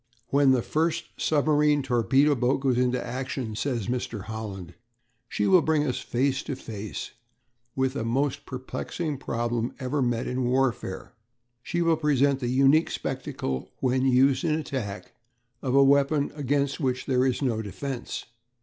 "When the first submarine torpedo boat goes into action," says Mr. Holland, "she will bring us face to face with the most perplexing problem ever met in warfare. She will present the unique spectacle, when used in attack, of a weapon against which there is no defence....